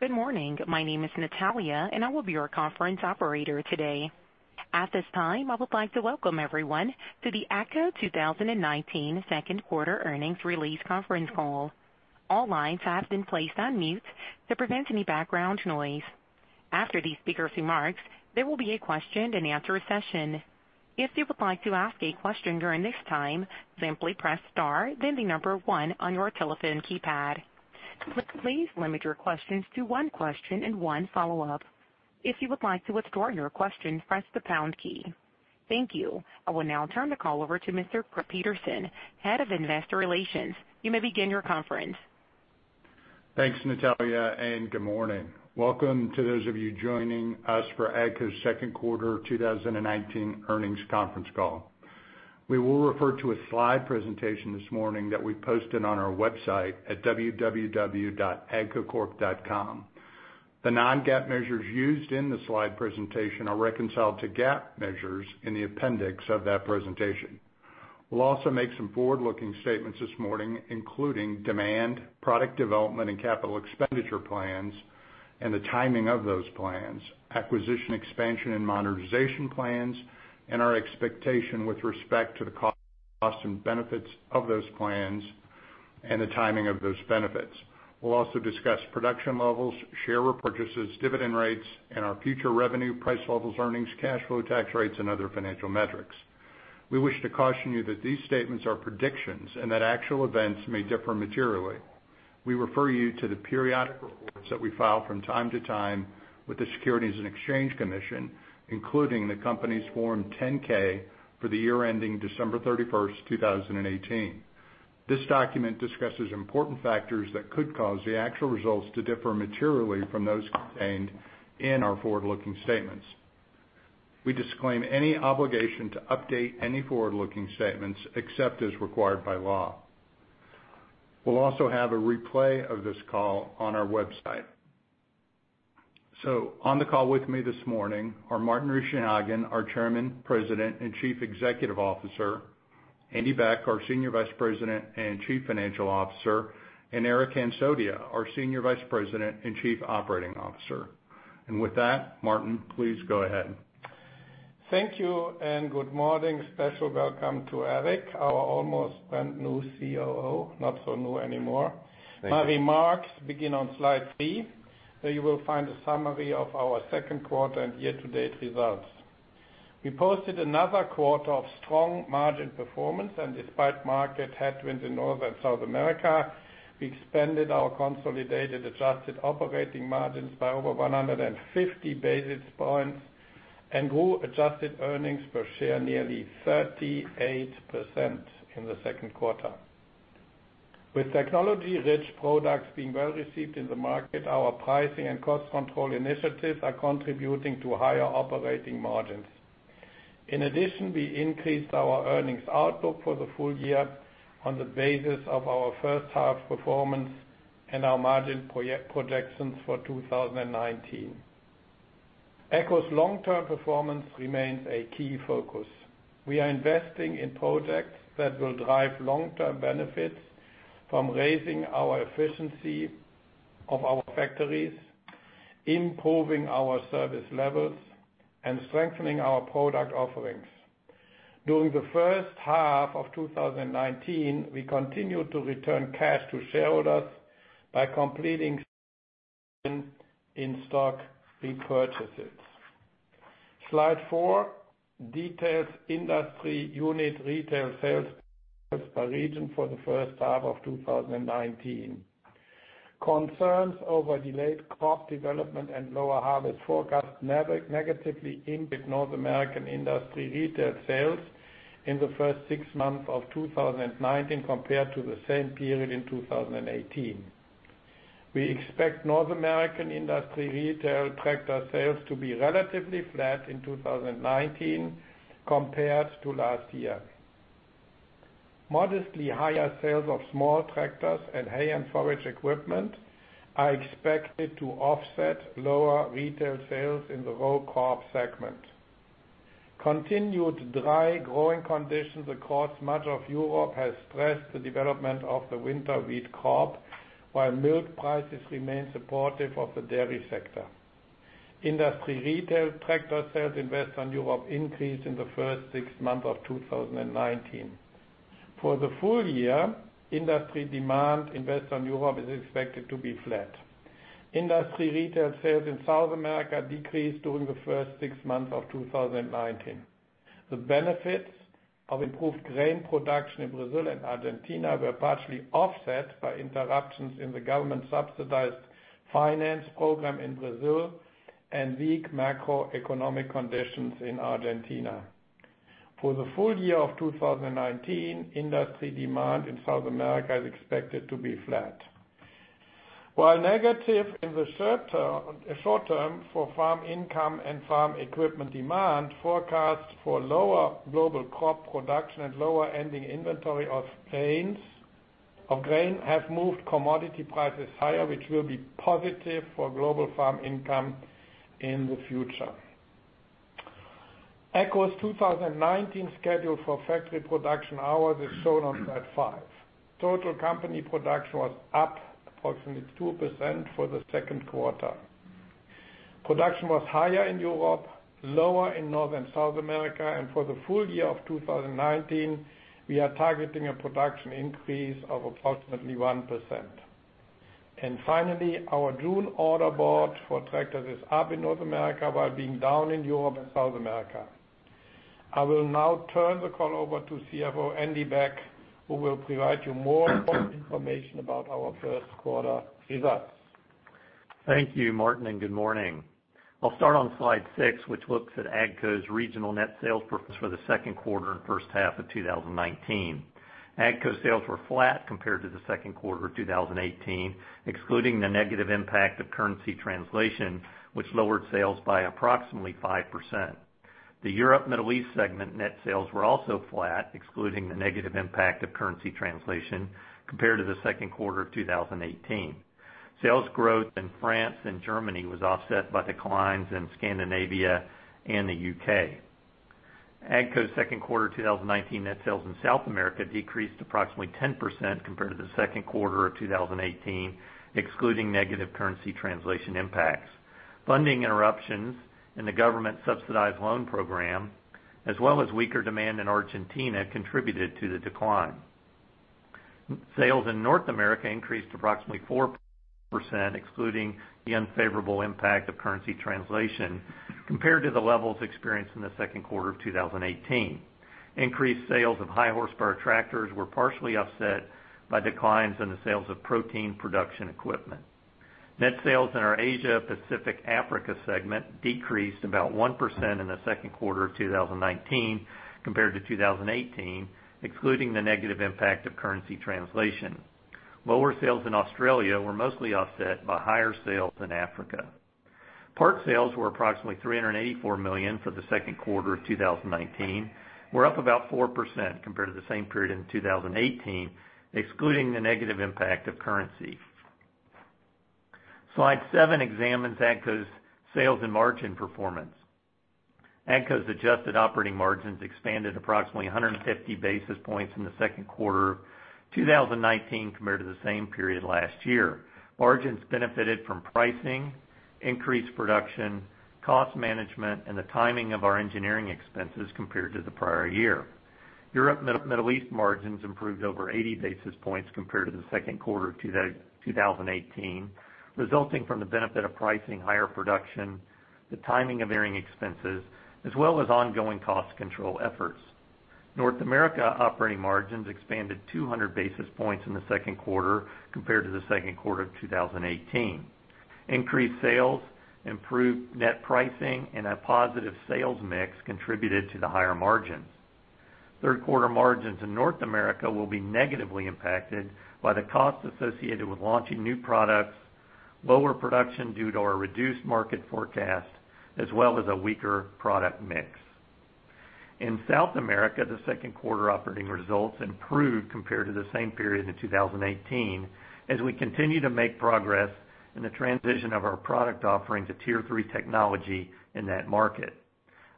Good morning. My name is Natalia, and I will be your conference operator today. At this time, I would like to welcome everyone to the AGCO 2019 second quarter earnings release conference call. All lines have been placed on mute to prevent any background noise. After the speakers' remarks, there will be a question and answer session. If you would like to ask a question during this time, simply press star then the number 1 on your telephone keypad. Please limit your questions to one question and one follow-up. If you would like to withdraw your question, press the pound key. Thank you. I will now turn the call over to Mr. Peterson, head of investor relations. You may begin your conference. Thanks, Natalia. Good morning. Welcome to those of you joining us for AGCO's second quarter 2019 earnings conference call. We will refer to a slide presentation this morning that we posted on our website at www.agcocorp.com. The non-GAAP measures used in the slide presentation are reconciled to GAAP measures in the appendix of that presentation. We'll also make some forward-looking statements this morning, including demand, product development, and capital expenditure plans, and the timing of those plans, acquisition expansion and modernization plans, and our expectation with respect to the cost and benefits of those plans and the timing of those benefits. We'll also discuss production levels, share repurchases, dividend rates, and our future revenue price levels, earnings, cash flow, tax rates, and other financial metrics. We wish to caution you that these statements are predictions and that actual events may differ materially. We refer you to the periodic reports that we file from time to time with the Securities and Exchange Commission, including the company's Form 10-K for the year ending December 31st, 2018. This document discusses important factors that could cause the actual results to differ materially from those contained in our forward-looking statements. We disclaim any obligation to update any forward-looking statements except as required by law. We'll also have a replay of this call on our website. On the call with me this morning are Martin Richenhagen, our Chairman, President, and Chief Executive Officer, Andy Beck, our Senior Vice President and Chief Financial Officer, and Eric Hansotia, our Senior Vice President and Chief Operating Officer. With that, Martin, please go ahead. Thank you. Good morning. Special welcome to Eric, our almost brand-new COO, not so new anymore. Thank you. My remarks begin on slide three, where you will find a summary of our second quarter and year-to-date results. We posted another quarter of strong margin performance, and despite market headwinds in North and South America, we expanded our consolidated adjusted operating margins by over 150 basis points and grew adjusted earnings per share nearly 38% in the second quarter. With technology-rich products being well-received in the market, our pricing and cost control initiatives are contributing to higher operating margins. In addition, we increased our earnings outlook for the full year on the basis of our first half performance and our margin projections for 2019. AGCO's long-term performance remains a key focus. We are investing in projects that will drive long-term benefits from raising our efficiency of our factories, improving our service levels, and strengthening our product offerings. During the first half of 2019, we continued to return cash to shareholders by completing in stock repurchases. Slide four details industry unit retail sales by region for the first half of 2019. Concerns over delayed crop development and lower harvest forecasts negatively impact North American industry retail sales in the first six months of 2019 compared to the same period in 2018. We expect North American industry retail tractor sales to be relatively flat in 2019 compared to last year. Modestly higher sales of small tractors and hay and forage equipment are expected to offset lower retail sales in the row crop segment. Continued dry growing conditions across much of Europe has stressed the development of the winter wheat crop, while milk prices remain supportive of the dairy sector. Industry retail tractor sales in Western Europe increased in the first six months of 2019. For the full year, industry demand in Western Europe is expected to be flat. Industry retail sales in South America decreased during the first six months of 2019. The benefits of improved grain production in Brazil and Argentina were partially offset by interruptions in the government-subsidized finance program in Brazil and weak macroeconomic conditions in Argentina. For the full year of 2019, industry demand in South America is expected to be flat. While negative in the short term for farm income and farm equipment demand, forecasts for lower global crop production and lower ending inventory of grain have moved commodity prices higher, which will be positive for global farm income in the future. AGCO's 2019 schedule for factory production hours is shown on slide five. Total company production was up approximately 2% for the second quarter. Production was higher in Europe, lower in North and South America, and for the full year of 2019, we are targeting a production increase of approximately 1%. Finally, our June order board for tractors is up in North America while being down in Europe and South America. I will now turn the call over to CFO, Andy Beck, who will provide you more important information about our first quarter results. Thank you, Martin, and good morning. I'll start on slide six, which looks at AGCO's regional net sales performance for the second quarter and first half of 2019. AGCO's sales were flat compared to the second quarter of 2018, excluding the negative impact of currency translation, which lowered sales by approximately 5%. The Europe Middle East segment net sales were also flat, excluding the negative impact of currency translation compared to the second quarter of 2018. Sales growth in France and Germany was offset by declines in Scandinavia and the U.K. AGCO's second quarter 2019 net sales in South America decreased approximately 10% compared to the second quarter of 2018, excluding negative currency translation impacts. Funding interruptions in the government-subsidized loan program, as well as weaker demand in Argentina contributed to the decline. Sales in North America increased approximately 4%, excluding the unfavorable impact of currency translation compared to the levels experienced in the second quarter of 2018. Increased sales of high horsepower tractors were partially offset by declines in the sales of protein production equipment. Net sales in our Asia Pacific Africa segment decreased about 1% in the second quarter of 2019 compared to 2018, excluding the negative impact of currency translation. Lower sales in Australia were mostly offset by higher sales in Africa. Part sales were approximately $384 million for the second quarter of 2019, were up about 4% compared to the same period in 2018, excluding the negative impact of currency. Slide seven examines AGCO's sales and margin performance. AGCO's adjusted operating margins expanded approximately 150 basis points in the second quarter of 2019 compared to the same period last year. Margins benefited from pricing, increased production, cost management, and the timing of our engineering expenses compared to the prior year. Europe Middle East margins improved over 80 basis points compared to the second quarter of 2018, resulting from the benefit of pricing, higher production, the timing of varying expenses, as well as ongoing cost control efforts. North America operating margins expanded 200 basis points in the second quarter compared to the second quarter of 2018. Increased sales, improved net pricing, and a positive sales mix contributed to the higher margins. Third quarter margins in North America will be negatively impacted by the cost associated with launching new products, lower production due to our reduced market forecast, as well as a weaker product mix. In South America, the second quarter operating results improved compared to the same period in 2018, as we continue to make progress in the transition of our product offering to Tier 3 technology in that market.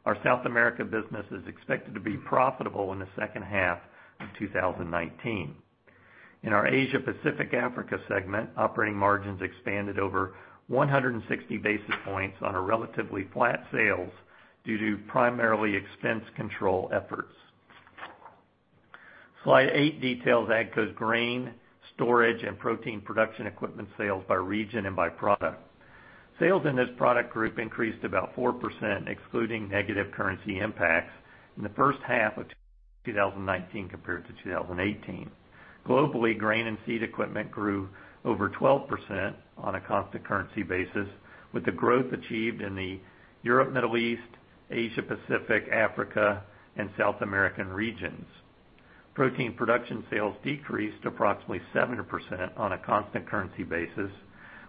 Our South America business is expected to be profitable in the second half of 2019. In our Asia Pacific Africa segment, operating margins expanded over 160 basis points on relatively flat sales due to primarily expense control efforts. Slide eight details AGCO's grain, storage, and protein production equipment sales by region and by product. Sales in this product group increased about 4%, excluding negative currency impacts in the first half of 2019 compared to 2018. Globally, grain and seed equipment grew over 12% on a constant currency basis, with the growth achieved in the Europe Middle East, Asia Pacific, Africa, and South American regions. Protein production sales decreased approximately 70% on a constant currency basis,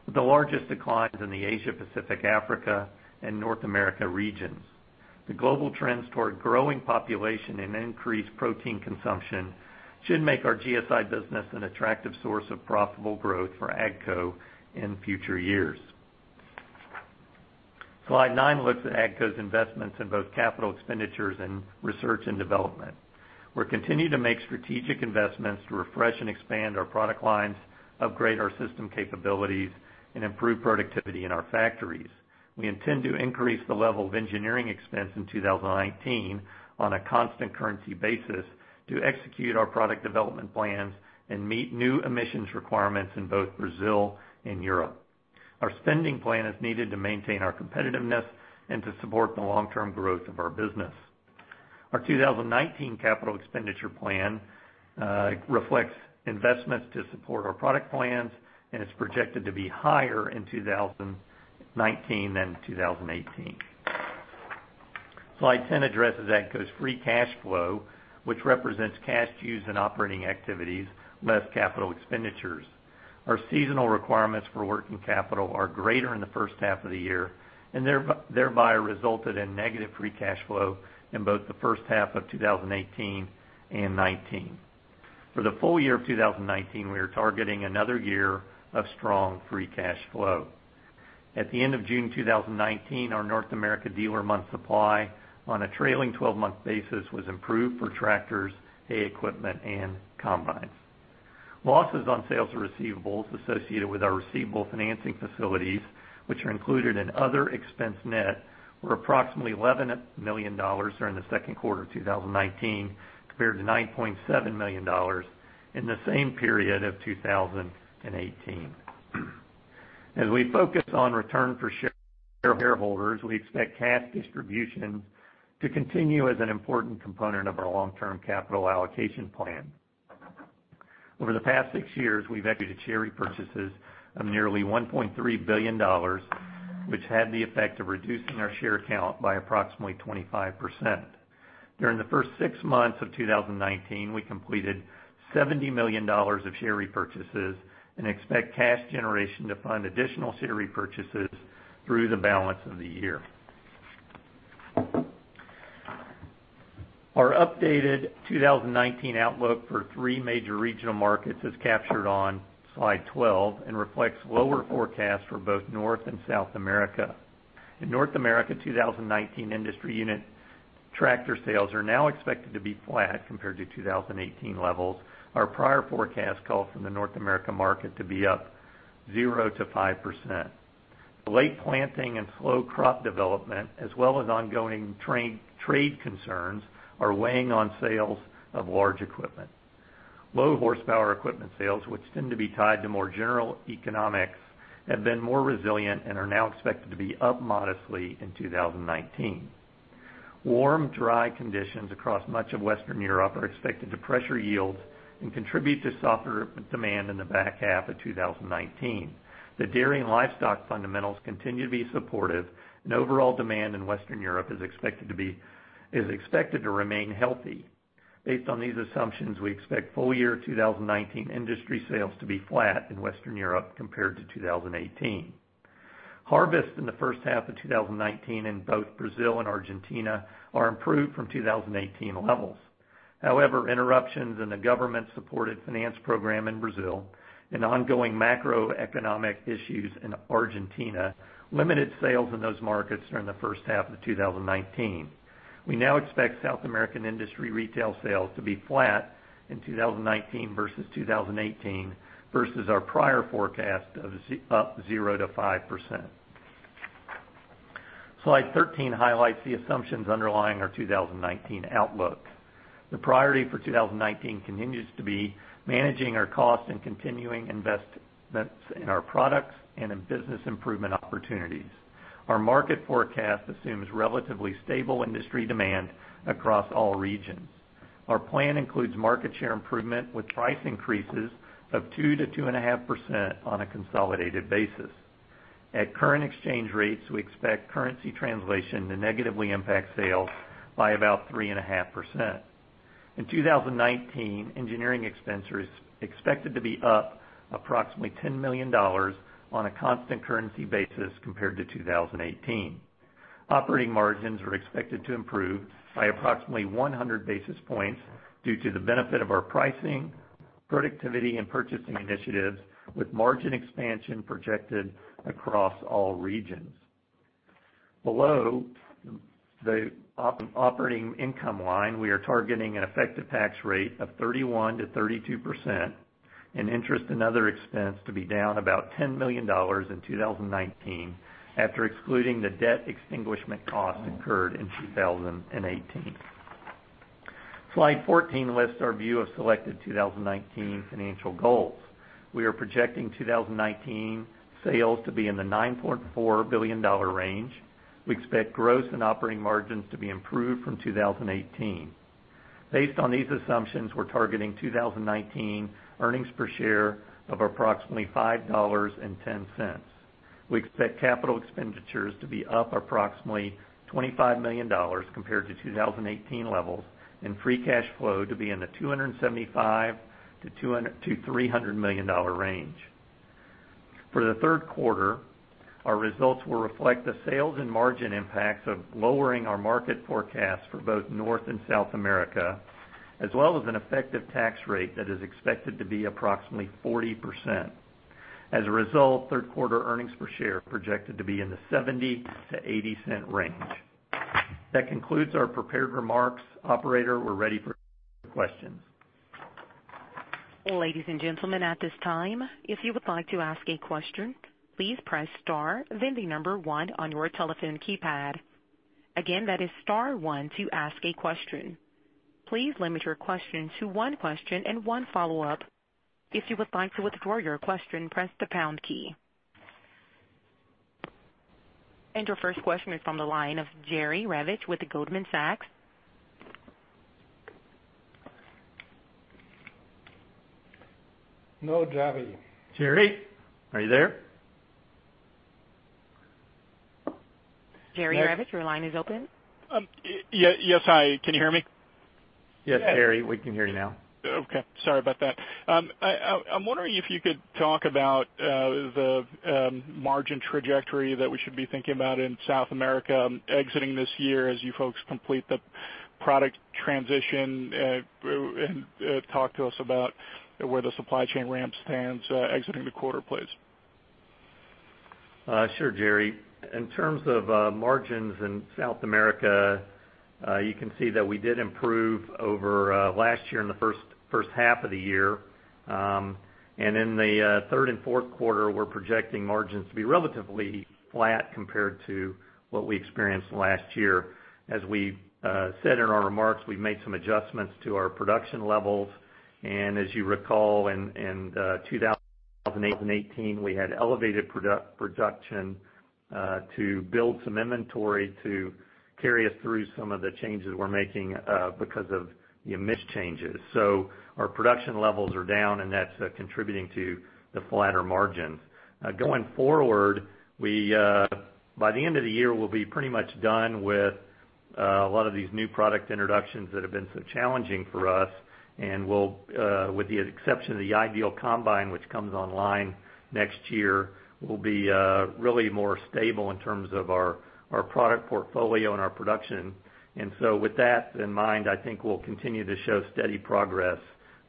with the largest declines in the Asia Pacific Africa and North America regions. The global trends toward growing population and increased protein consumption should make our GSI business an attractive source of profitable growth for AGCO in future years. Slide nine looks at AGCO's investments in both capital expenditures and research and development. We're continuing to make strategic investments to refresh and expand our product lines, upgrade our system capabilities, and improve productivity in our factories. We intend to increase the level of engineering expense in 2019 on a constant currency basis to execute our product development plans and meet new emissions requirements in both Brazil and Europe. Our spending plan is needed to maintain our competitiveness and to support the long-term growth of our business. Our 2019 capital expenditure plan reflects investments to support our product plans and is projected to be higher in 2019 than 2018. Slide 10 addresses AGCO's free cash flow, which represents cash used in operating activities less capital expenditures. Our seasonal requirements for working capital are greater in the first half of the year thereby resulted in negative free cash flow in both the first half of 2018 and 2019. For the full year of 2019, we are targeting another year of strong free cash flow. At the end of June 2019, our North America dealer month supply on a trailing 12-month basis was improved for tractors, hay equipment, and combines. Losses on sales receivables associated with our receivable financing facilities, which are included in other expense net, were approximately $11 million during the second quarter 2019, compared to $9.7 million in the same period of 2018. As we focus on return for shareholders, we expect cash distribution to continue as an important component of our long-term capital allocation plan. Over the past six years, we've executed share repurchases of nearly $1.3 billion, which had the effect of reducing our share count by approximately 25%. During the first six months of 2019, we completed $70 million of share repurchases and expect cash generation to fund additional share repurchases through the balance of the year. Our updated 2019 outlook for three major regional markets is captured on slide 12 and reflects lower forecasts for both North and South America. In North America, 2019 industry unit tractor sales are now expected to be flat compared to 2018 levels. Our prior forecast calls from the North America market to be up 0%-5%. Late planting and slow crop development, as well as ongoing trade concerns, are weighing on sales of large equipment. Low horsepower equipment sales, which tend to be tied to more general economics, have been more resilient and are now expected to be up modestly in 2019. Warm, dry conditions across much of Western Europe are expected to pressure yields and contribute to softer demand in the back half of 2019. The dairy and livestock fundamentals continue to be supportive and overall demand in Western Europe is expected to remain healthy. Based on these assumptions, we expect full year 2019 industry sales to be flat in Western Europe compared to 2018. Harvest in the first half of 2019 in both Brazil and Argentina are improved from 2018 levels. Interruptions in the government-supported finance program in Brazil and ongoing macroeconomic issues in Argentina limited sales in those markets during the first half of 2019. We now expect South American industry retail sales to be flat in 2019 versus 2018 versus our prior forecast of up 0%-5%. Slide 13 highlights the assumptions underlying our 2019 outlook. The priority for 2019 continues to be managing our costs and continuing investments in our products and in business improvement opportunities. Our market forecast assumes relatively stable industry demand across all regions. Our plan includes market share improvement with price increases of 2%-2.5% on a consolidated basis. At current exchange rates, we expect currency translation to negatively impact sales by about 3.5%. In 2019, engineering expense is expected to be up approximately $10 million on a constant currency basis compared to 2018. Operating margins are expected to improve by approximately 100 basis points due to the benefit of our pricing, productivity, and purchasing initiatives with margin expansion projected across all regions. Below the operating income line, we are targeting an effective tax rate of 31%-32% and interest and other expense to be down about $10 million in 2019 after excluding the debt extinguishment cost incurred in 2018. Slide 14 lists our view of selected 2019 financial goals. We are projecting 2019 sales to be in the $9.4 billion range. We expect gross and operating margins to be improved from 2018. Based on these assumptions, we're targeting 2019 earnings per share of approximately $5.10. We expect capital expenditures to be up approximately $25 million compared to 2018 levels and free cash flow to be in the $275 million-$300 million range. For the third quarter, our results will reflect the sales and margin impacts of lowering our market forecast for both North and South America, as well as an effective tax rate that is expected to be approximately 40%. As a result, third quarter earnings per share are projected to be in the $0.70-$0.80 range. That concludes our prepared remarks. Operator, we are ready for questions. Ladies and gentlemen, at this time, if you would like to ask a question, please press star then the number 1 on your telephone keypad. Again, that is star 1 to ask a question. Please limit your question to one question and one follow-up. If you would like to withdraw your question, press the pound key. Your first question is from the line of Jerry Revich with Goldman Sachs. No Jerry. Jerry, are you there? Jerry Revich, your line is open. Yes. Hi, can you hear me? Yes, Jerry, we can hear you now. Okay. Sorry about that. I'm wondering if you could talk about the margin trajectory that we should be thinking about in South America exiting this year as you folks complete the product transition, and talk to us about where the supply chain ramp stands exiting the quarter, please. Sure, Jerry. In terms of margins in South America, you can see that we did improve over last year in the first half of the year. In the third and fourth quarter, we're projecting margins to be relatively flat compared to what we experienced last year. As we said in our remarks, we've made some adjustments to our production levels. As you recall, in 2018, we had elevated production to build some inventory to carry us through some of the changes we're making because of emission changes. Our production levels are down, and that's contributing to the flatter margins. Going forward, by the end of the year, we'll be pretty much done with a lot of these new product introductions that have been so challenging for us. With the exception of the IDEAL Combine, which comes online next year, we'll be really more stable in terms of our product portfolio and our production. With that in mind, I think we'll continue to show steady progress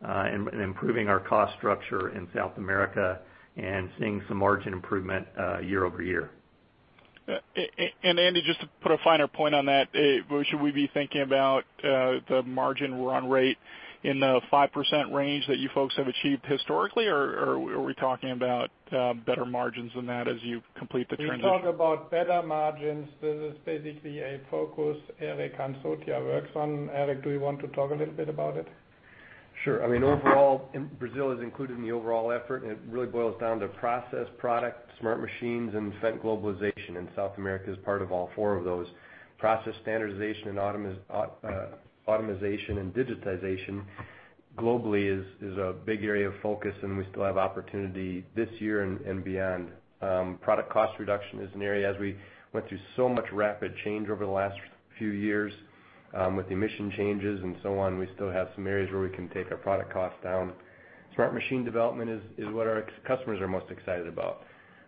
in improving our cost structure in South America and seeing some margin improvement year-over-year. Andy, just to put a finer point on that, should we be thinking about the margin run rate in the 5% range that you folks have achieved historically, or are we talking about better margins than that as you complete the transition? We talk about better margins. This is basically a focus Eric Hansotia works on. Eric, do you want to talk a little bit about it? Sure. Brazil is included in the overall effort, and it really boils down to process, product, smart machines and Fendt globalization, and South America is part of all four of those. Process standardization and automation and digitization globally is a big area of focus, and we still have opportunity this year and beyond. Product cost reduction is an area as we went through so much rapid change over the last few years with emission changes and so on. We still have some areas where we can take our product costs down. Smart machine development is what our customers are most excited about.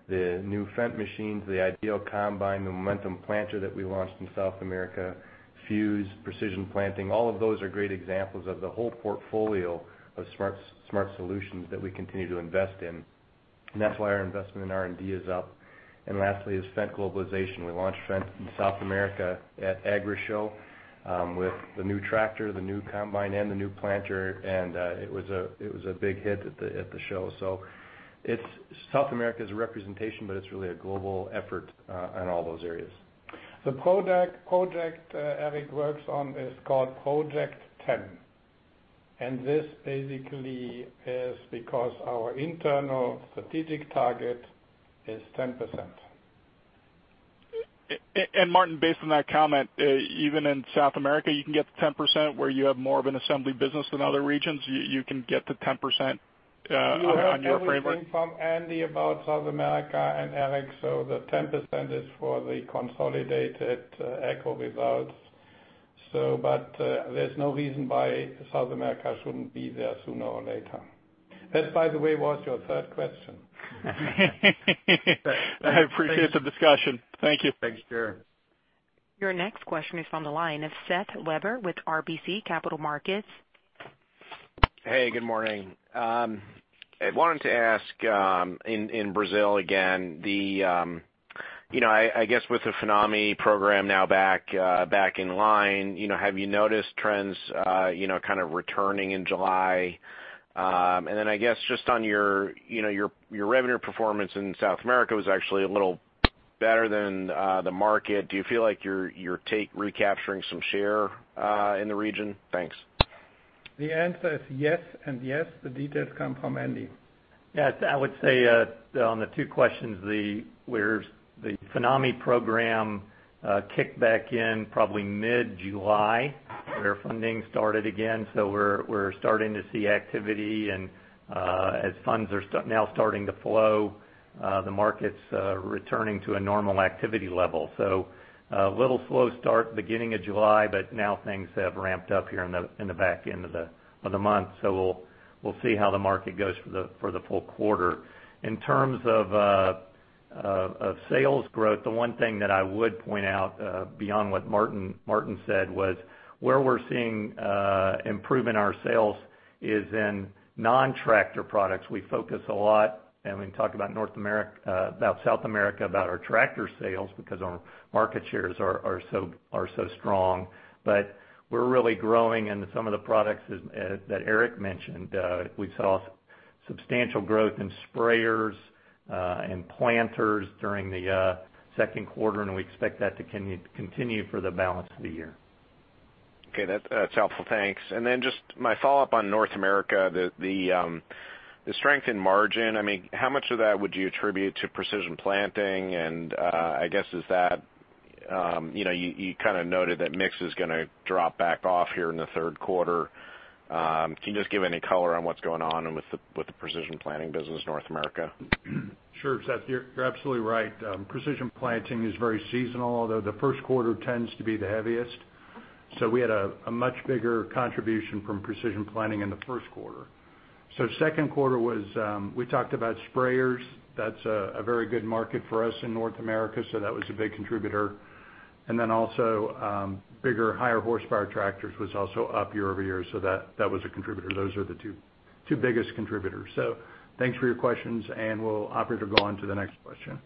The new Fendt machines, the IDEAL Combine, the Momentum planter that we launched in South America, Fuse Precision Planting, all of those are great examples of the whole portfolio of smart solutions that we continue to invest in. That's why our investment in R&D is up. Lastly is Fendt globalization. We launched Fendt in South America at Agrishow with the new tractor, the new combine, and the new planter, and it was a big hit at the show. South America is a representation, but it's really a global effort on all those areas. The project Eric works on is called Project 10. This basically is because our internal strategic target is 10%. Martin, based on that comment, even in South America, you can get to 10% where you have more of an assembly business than other regions, you can get to 10% on your framework? You heard everything from Andy about South America and Eric, so the 10% is for the consolidated AGCO results. There's no reason why South America shouldn't be there sooner or later. That, by the way, was your third question. I appreciate the discussion. Thank you. Thanks, Jerry. Your next question is on the line is Seth Weber with RBC Capital Markets. Hey, good morning. I wanted to ask in Brazil again, I guess with the FINAME program now back in line, have you noticed trends kind of returning in July? I guess just on your revenue performance in South America was actually a little better than the market. Do you feel like you're recapturing some share in the region? Thanks. The answer is yes and yes. The details come from Andy. Yes. I would say on the two questions, the FINAME program kicked back in probably mid-July, where funding started again. We're starting to see activity. As funds are now starting to flow, the market's returning to a normal activity level. A little slow start beginning of July, but now things have ramped up here in the back end of the month. We'll see how the market goes for the full quarter. In terms of sales growth, the one thing that I would point out beyond what Martin said was where we're seeing improvement our sales is in non-tractor products. We focus a lot, and we talk about South America, about our tractor sales because our market shares are so strong. We're really growing in some of the products that Eric mentioned. We saw substantial growth in sprayers and planters during the second quarter. We expect that to continue for the balance of the year. Okay. That's helpful. Thanks. Just my follow-up on North America, the strength in margin. How much of that would you attribute to Precision Planting? I guess you kind of noted that mix is going to drop back off here in the third quarter. Can you just give any color on what's going on with the Precision Planting business in North America? Sure, Seth, you're absolutely right. Precision Planting is very seasonal, although the first quarter tends to be the heaviest. We had a much bigger contribution from Precision Planting in the first quarter. Second quarter, we talked about sprayers. That's a very good market for us in North America, so that was a big contributor. Bigger, higher horsepower tractors was also up year-over-year, so that was a contributor. Those are the two biggest contributors. Thanks for your questions, and we'll go on to the next question.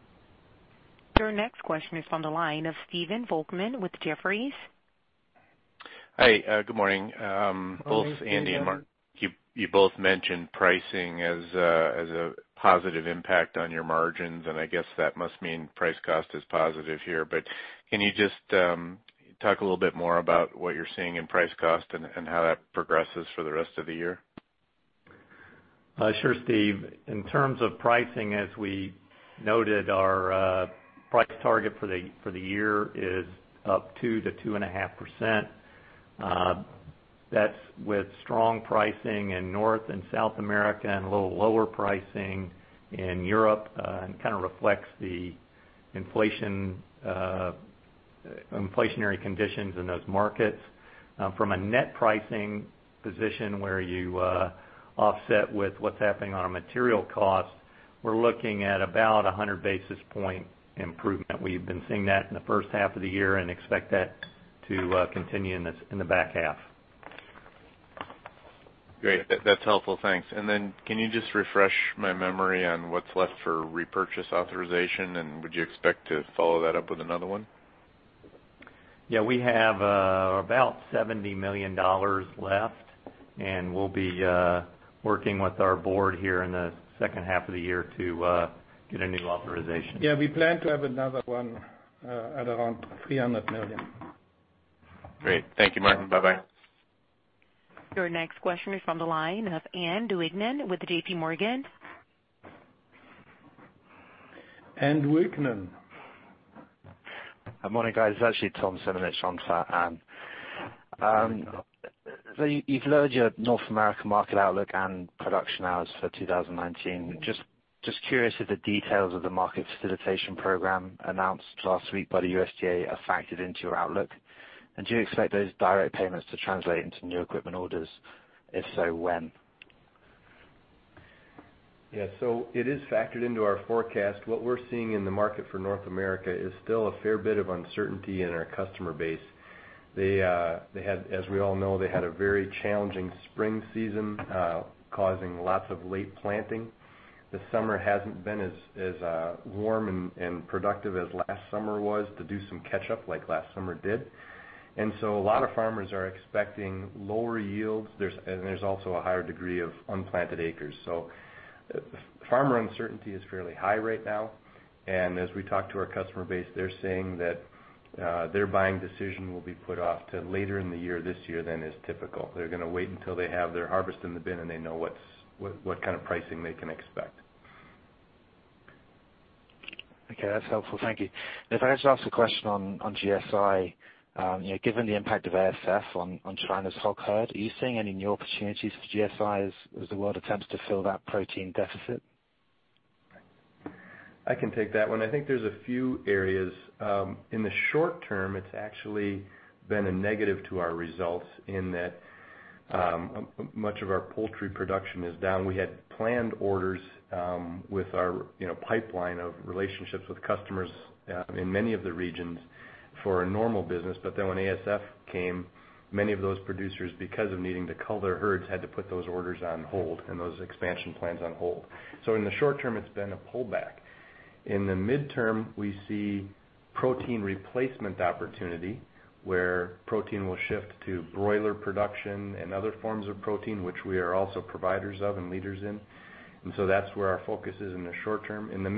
Your next question is on the line of Stephen Volkmann with Jefferies. Hi, good morning. Both Andy and Martin, you both mentioned pricing as a positive impact on your margins, and I guess that must mean price cost is positive here. Can you just talk a little bit more about what you're seeing in price cost and how that progresses for the rest of the year? Sure, Steph. In terms of pricing, as we noted, our price target for the year is up 2%-2.5%. That's with strong pricing in North and South America and a little lower pricing in Europe, and kind of reflects the inflationary conditions in those markets. From a net pricing position where you offset with what's happening on our material costs, we're looking at about 100 basis point improvement. We've been seeing that in the first half of the year and expect that to continue in the back half. Great. That's helpful. Thanks. Then can you just refresh my memory on what's left for repurchase authorization? Would you expect to follow that up with another one? Yeah. We have about $70 million left, and we'll be working with our board here in the second half of the year to get a new authorization. Yeah, we plan to have another one at around $300 million. Great. Thank you, Martin. Bye-bye. Your next question is from the line of Ann Duignan with JPMorgan. Ann Duignan. Good morning, guys. It's actually Tom Simon. It's on for Anne. You've lowered your North America market outlook and production hours for 2019. Just curious if the details of the Market Facilitation Program announced last week by the USDA are factored into your outlook, do you expect those direct payments to translate into new equipment orders? If so, when? It is factored into our forecast. What we're seeing in the market for North America is still a fair bit of uncertainty in our customer base. As we all know, they had a very challenging spring season, causing lots of late planting. The summer hasn't been as warm and productive as last summer was to do some catch-up like last summer did. A lot of farmers are expecting lower yields. There's also a higher degree of unplanted acres. Farmer uncertainty is fairly high right now, and as we talk to our customer base, they're saying that their buying decision will be put off to later in the year this year than is typical. They're gonna wait until they have their harvest in the bin, and they know what kind of pricing they can expect. Okay. That's helpful. Thank you. If I just ask a question on GSI, given the impact of ASF on China's hog herd, are you seeing any new opportunities for GSI as the world attempts to fill that protein deficit? I can take that one. I think there's a few areas. In the short term, it's actually been a negative to our results in that much of our poultry production is down. We had planned orders, with our pipeline of relationships with customers in many of the regions for a normal business. When ASF came, many of those producers, because of needing to cull their herds, had to put those orders on hold and those expansion plans on hold. In the short term, it's been a pullback. In the midterm, we see protein replacement opportunity where protein will shift to broiler production and other forms of protein, which we are also providers of and leaders in. That's where our focus is in the short term. In the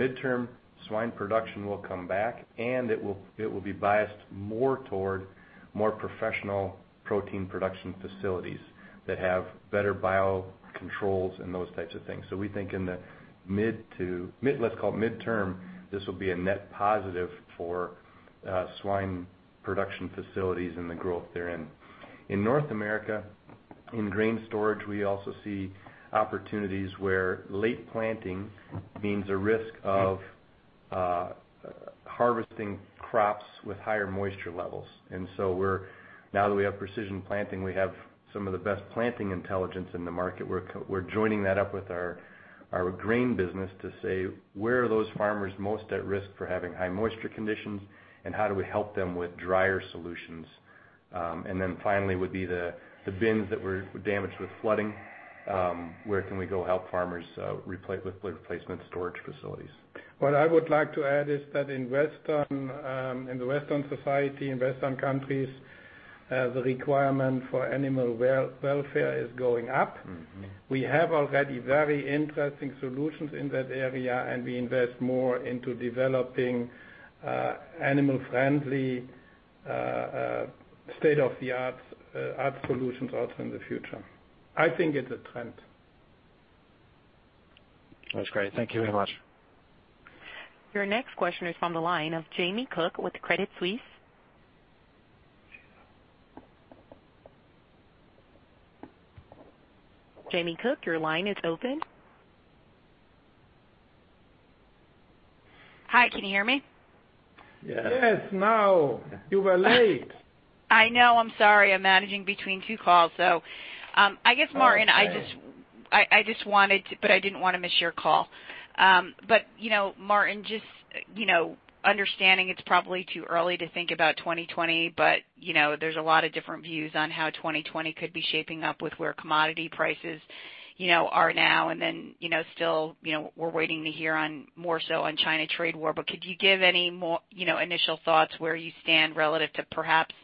midterm, swine production will come back, and it will be biased more toward more professional protein production facilities that have better bio controls and those types of things. We think in the mid, let's call it midterm, this will be a net positive for swine production facilities and the growth they're in. In North America, in grain storage, we also see opportunities where late planting means a risk of harvesting crops with higher moisture levels. Now that we have Precision Planting, we have some of the best planting intelligence in the market. We're joining that up with our grain business to say where are those farmers most at risk for having high moisture conditions, and how do we help them with dryer solutions? Finally would be the bins that were damaged with flooding. Where can we go help farmers with replacement storage facilities? What I would like to add is that in the Western society, in Western countries, the requirement for animal welfare is going up. We have already very interesting solutions in that area, and we invest more into developing animal-friendly, state-of-the-art solutions also in the future. I think it's a trend. That's great. Thank you very much. Your next question is from the line of Jamie Cook with Credit Suisse. Jamie Cook, your line is open. Hi, can you hear me? Yes, now. You were late. I know. I'm sorry. I'm managing between two calls. I guess, Martin, I didn't want to miss your call. Martin, just understanding it's probably too early to think about 2020, but there's a lot of different views on how 2020 could be shaping up with where commodity prices are now, and still we're waiting to hear more so on China trade war. Could you give any initial thoughts where you stand relative to perhaps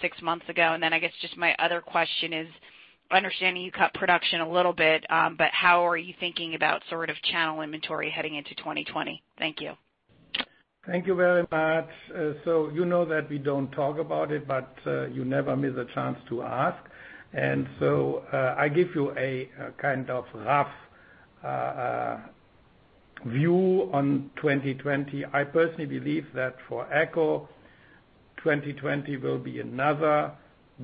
six months ago? I guess just my other question is, understanding you cut production a little bit, how are you thinking about channel inventory heading into 2020? Thank you. Thank you very much. You know that we don't talk about it, but you never miss a chance to ask. I give you a kind of rough view on 2020. I personally believe that for AGCO, 2020 will be another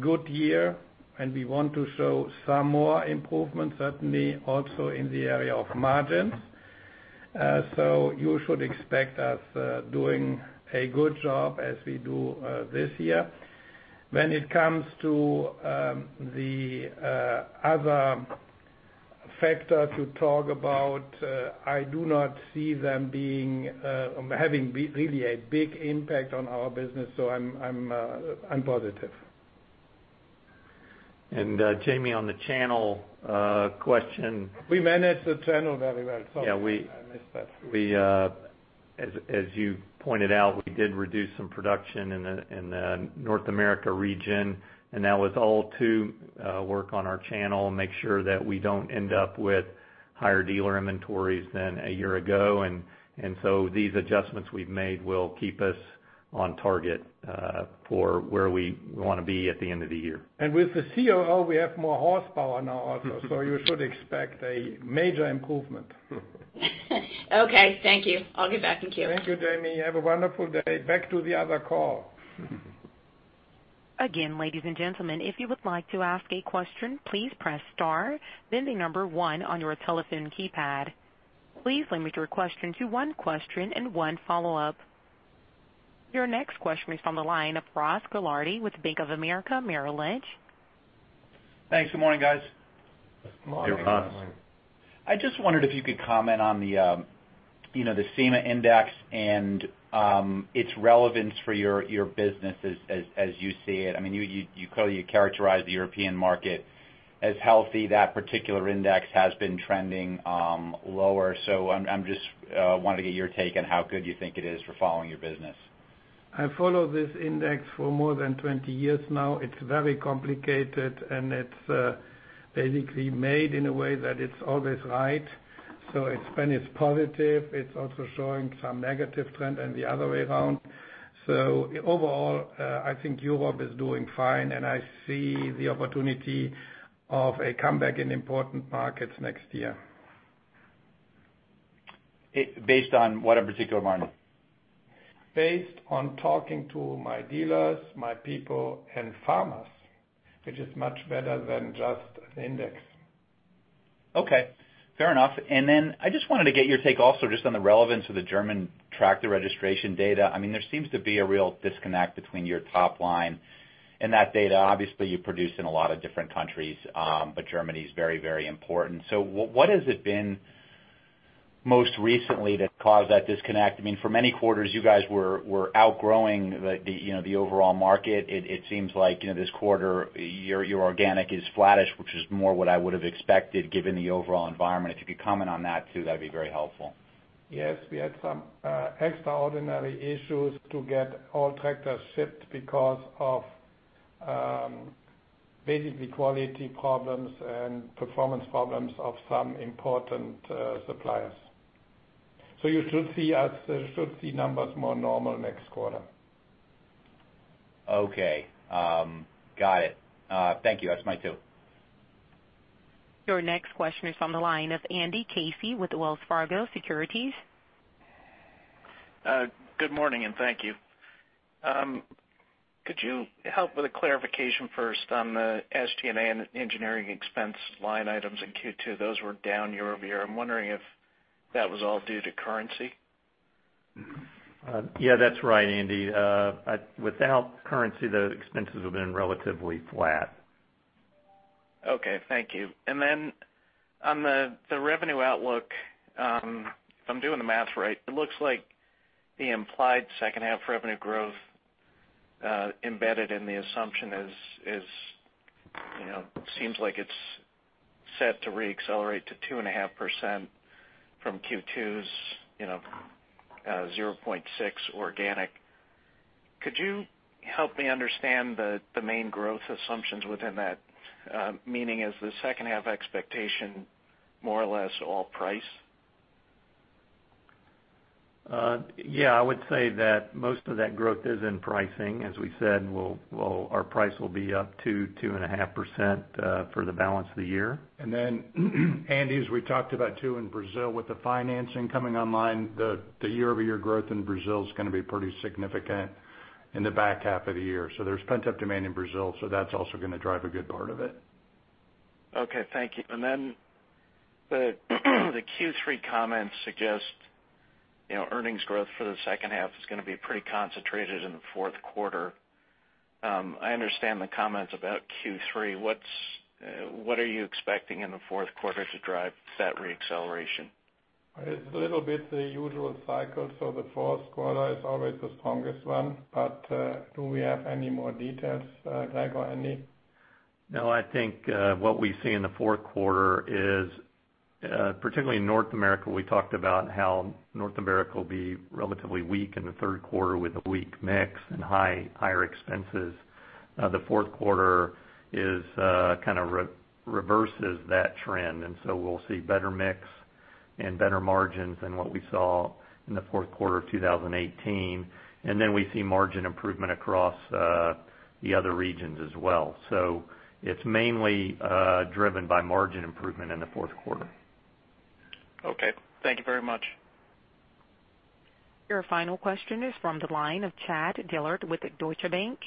good year, and we want to show some more improvement, certainly also in the area of margins. You should expect us doing a good job as we do this year. When it comes to the other factor to talk about, I do not see them having really a big impact on our business. I'm positive. Jamie, on the channel question. We manage the channel very well. Sorry, I missed that. As you pointed out, we did reduce some production in the North America region, and that was all to work on our channel and make sure that we don't end up with higher dealer inventories than a year ago. These adjustments we've made will keep us on target for where we want to be at the end of the year. With the COO, we have more horsepower now also, so you should expect a major improvement. Okay, thank you. I'll get back in queue. Thank you, Jamie. Have a wonderful day. Back to the other call. Again, ladies and gentlemen, if you would like to ask a question, please press star, then the number 1 on your telephone keypad. Please limit your question to one question and one follow-up. Your next question is from the line of Ross Gilardi with Bank of America Merrill Lynch. Thanks. Good morning, guys. Good morning. Hey, Ross. I just wondered if you could comment on the CEMA index and its relevance for your business as you see it. You characterized the European market as healthy. That particular index has been trending lower. I'm just wanting to get your take on how good you think it is for following your business. I follow this index for more than 20 years now. It's very complicated, and it's basically made in a way that it's always right. When it's positive, it's also showing some negative trend and the other way around. Overall, I think Europe is doing fine, and I see the opportunity of a comeback in important markets next year. Based on what in particular, Martin? Based on talking to my dealers, my people, and farmers, which is much better than just an index. Okay, fair enough. I just wanted to get your take also just on the relevance of the German tractor registration data. There seems to be a real disconnect between your top line and that data. Obviously, you produce in a lot of different countries, but Germany is very, very important. What has it been most recently that caused that disconnect? For many quarters, you guys were outgrowing the overall market. It seems like this quarter, your organic is flattish, which is more what I would have expected given the overall environment. If you could comment on that too, that'd be very helpful. Yes, we had some extraordinary issues to get all tractors shipped because of basically quality problems and performance problems of some important suppliers. You should see numbers more normal next quarter. Okay. Got it. Thank you. That's my two. Your next question is on the line of Andy Casey with Wells Fargo Securities. Good morning, thank you. Could you help with a clarification first on the SG&A and engineering expense line items in Q2? Those were down year-over-year. I'm wondering if that was all due to currency. Yeah, that's right, Andy. Without currency, the expenses have been relatively flat. Okay, thank you. On the revenue outlook, if I'm doing the math right, it looks like the implied second half revenue growth embedded in the assumption seems like it's set to re-accelerate to 2.5% from Q2's 0.6 organic. Could you help me understand the main growth assumptions within that? Meaning, is the second half expectation more or less all price? Yeah, I would say that most of that growth is in pricing. As we said, our price will be up 2%-2.5% for the balance of the year. Andy, as we talked about too, in Brazil, with the financing coming online, the year-over-year growth in Brazil is going to be pretty significant in the back half of the year. There's pent-up demand in Brazil, so that's also going to drive a good part of it. Okay. Thank you. The Q3 comments suggest earnings growth for the second half is going to be pretty concentrated in the fourth quarter. I understand the comments about Q3. What are you expecting in the fourth quarter to drive that re-acceleration? It's a little bit the usual cycle. The fourth quarter is always the strongest one. Do we have any more details, Greg or Andy? No, I think what we see in the fourth quarter is, particularly in North America, we talked about how North America will be relatively weak in the third quarter with a weak mix and higher expenses. The fourth quarter kind of reverses that trend. We'll see better mix and better margins than what we saw in the fourth quarter of 2018. We see margin improvement across the other regions as well. It's mainly driven by margin improvement in the fourth quarter. Okay. Thank you very much. Your final question is from the line of Chad Dillard with Deutsche Bank.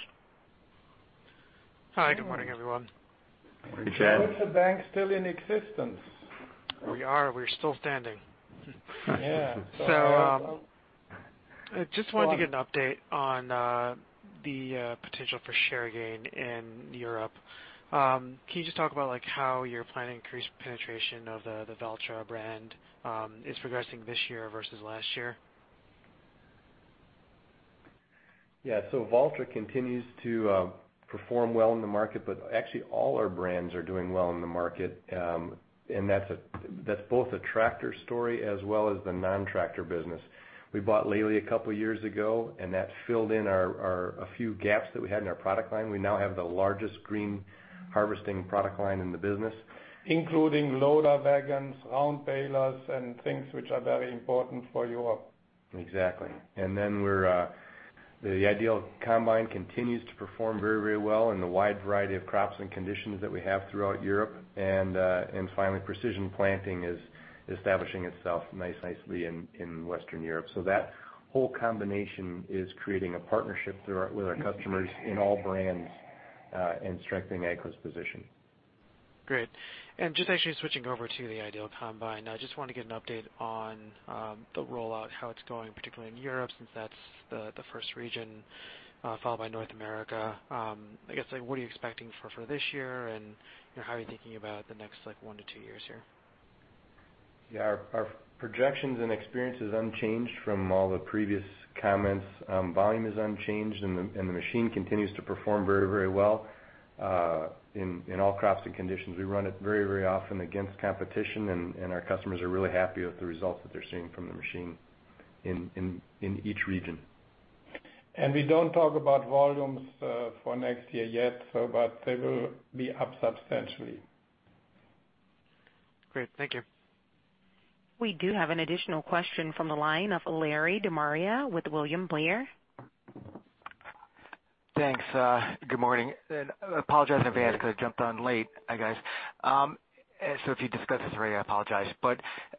Hi, good morning, everyone. Good morning, Chad. Is Deutsche Bank still in existence? We are. We're still standing. Yeah. I just wanted to get an update on the potential for share gain in Europe. Can you just talk about how you're planning to increase penetration of the Valtra brand? Is it progressing this year versus last year? Valtra continues to perform well in the market, but actually all our brands are doing well in the market. That's both a tractor story as well as the non-tractor business. We bought Lely a couple of years ago, and that filled in a few gaps that we had in our product line. We now have the largest green harvesting product line in the business. Including loader wagons, round balers, and things which are very important for Europe. Exactly. The IDEAL Combine continues to perform very well in the wide variety of crops and conditions that we have throughout Europe. Finally, Precision Planting is establishing itself nicely in Western Europe. That whole combination is creating a partnership with our customers in all brands and strengthening AGCO's position. Great. Just actually switching over to the IDEAL Combine. I just want to get an update on the rollout, how it's going, particularly in Europe, since that's the first region, followed by North America. I guess, what are you expecting for this year and how are you thinking about the next 1-2 years here? Yeah, our projections and experience is unchanged from all the previous comments. Volume is unchanged, and the machine continues to perform very well in all crops and conditions. We run it very often against competition, and our customers are really happy with the results that they're seeing from the machine in each region. We don't talk about volumes for next year yet, but they will be up substantially. Great. Thank you. We do have an additional question from the line of Larry De Maria with William Blair. Thanks. Good morning, I apologize in advance because I jumped on late, guys. If you discussed this already, I apologize.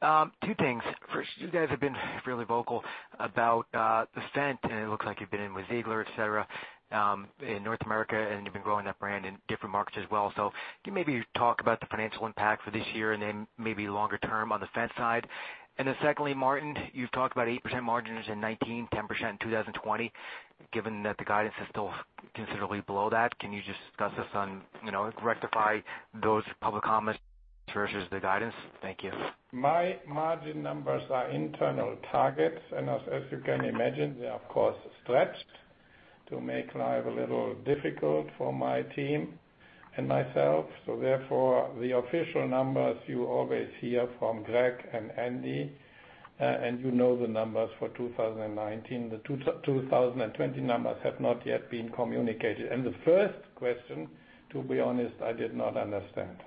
Two things. First, you guys have been fairly vocal about the Fendt, and it looks like you've been in with Ziegler, et cetera, in North America, and you've been growing that brand in different markets as well. Can you maybe talk about the financial impact for this year and then maybe longer term on the Fendt side? Secondly, Martin, you've talked about 8% margins in 2019, 10% in 2020. Given that the guidance is still considerably below that, can you just discuss this, rectify those public comments versus the guidance? Thank you. My margin numbers are internal targets, and as you can imagine, they are of course stretched to make life a little difficult for my team and myself. Therefore, the official numbers you always hear from Greg and Andy, and you know the numbers for 2019. The 2020 numbers have not yet been communicated. The first question, to be honest, I did not understand.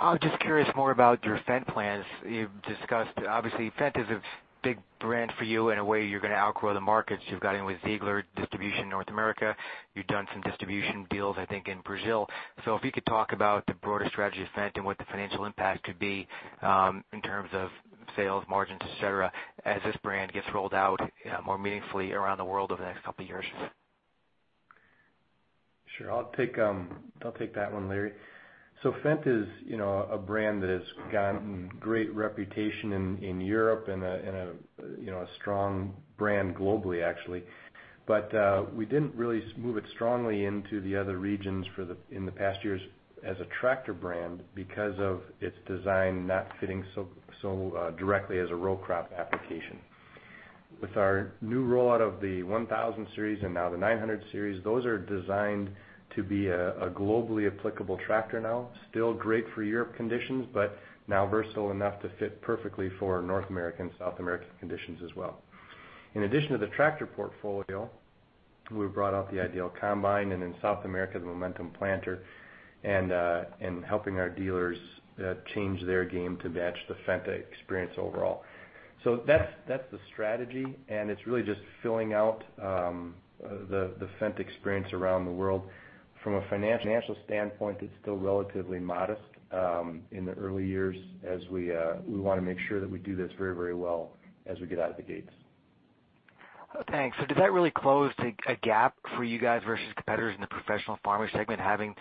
I'm just curious more about your Fendt plans. You've discussed, obviously, Fendt is a big brand for you. In a way, you're going to outgrow the markets. You've gotten with Ziegler Distribution in North America. You've done some distribution deals, I think, in Brazil. If you could talk about the broader strategy of Fendt and what the financial impact could be in terms of sales, margins, et cetera, as this brand gets rolled out more meaningfully around the world over the next couple of years. Sure. I'll take that one, Larry. Fendt is a brand that has gotten great reputation in Europe and a strong brand globally, actually. We didn't really move it strongly into the other regions in the past years as a tractor brand because of its design not fitting so directly as a row crop application. With our new rollout of the 1000 Series and now the 900 Series, those are designed to be a globally applicable tractor now. Still great for Europe conditions, but now versatile enough to fit perfectly for North American, South American conditions as well. In addition to the tractor portfolio, we've brought out the IDEAL Combine and in South America, the Momentum planter, and helping our dealers change their game to match the Fendt experience overall. That's the strategy, and it's really just filling out the Fendt experience around the world. From a financial standpoint, it's still relatively modest in the early years as we want to make sure that we do this very well as we get out of the gates. Thanks. Does that really close a gap for you guys versus competitors in the professional farmer segment, having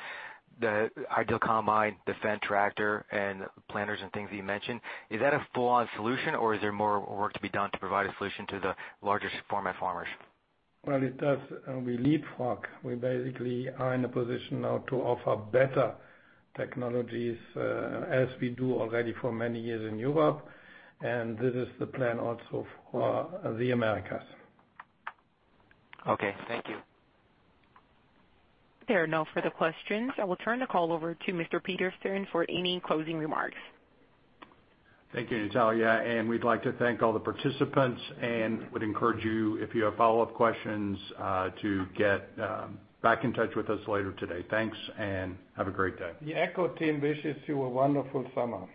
the IDEAL Combine, the Fendt tractor, and planters and things that you mentioned? Is that a full-on solution or is there more work to be done to provide a solution to the largest format farmers? Well, it does. We leapfrog. We basically are in a position now to offer better technologies as we do already for many years in Europe, and this is the plan also for the Americas. Okay. Thank you. There are no further questions. I will turn the call over to Mr. Peterson for any closing remarks. Thank you, Natalia. We'd like to thank all the participants and would encourage you, if you have follow-up questions, to get back in touch with us later today. Thanks. Have a great day. The AGCO team wishes you a wonderful summer.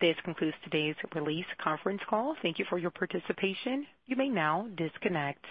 This concludes today's release conference call. Thank you for your participation. You may now disconnect.